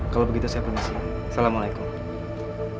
kalau begitu saya premisi assalamualaikum